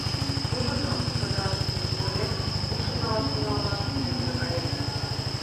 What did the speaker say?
Тудыжо, чодыраш куржын пурымек, ушым налаш тӱҥалынат, мӧҥгыжӧ каен.